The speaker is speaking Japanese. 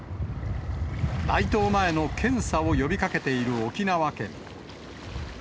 来島前の検査を呼びかけている沖縄県。